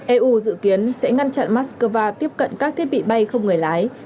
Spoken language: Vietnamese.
eu dự kiến sẽ ngăn chặn moscow tiếp cận các thiết bị bay không người lái